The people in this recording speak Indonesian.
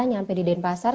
nyampe di denpasar